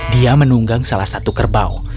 dia menunggang salah satu kerbau